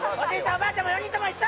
おばあちゃんも４人とも一緒！